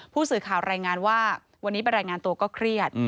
ผู้สื่อข่าวรายงานว่าวันนี้ไปรายงานตัวก็เครียด